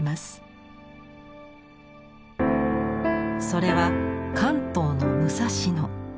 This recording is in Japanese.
それは関東の武蔵野。